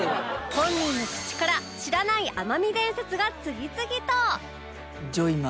本人の口から知らない天海伝説が次々と！